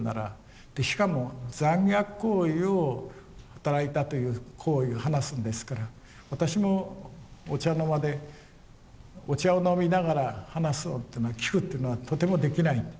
でしかも残虐行為を働いたという行為を話すんですから私もお茶の間でお茶を飲みながら話すのっていうのは聞くっていうのはとてもできない。